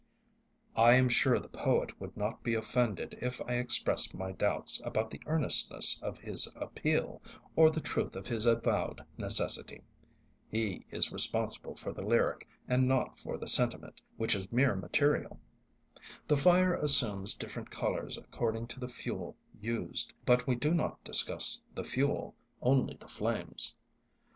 I am sure the poet would not be offended if I expressed my doubts about the earnestness of his appeal, or the truth of his avowed necessity. He is responsible for the lyric and not for the sentiment, which is mere material. The fire assumes different colours according to the fuel used; but we do not discuss the fuel, only the flames.